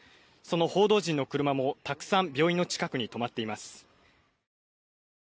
報道陣の車もたくさん病院の近くに止まっています。